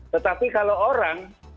tetapi kalau orang